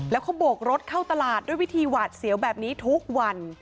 แล้วเขาโบกรถเข้าตลาดด้วยวิธีหวาดเสียวแบบนี้ทุกวัน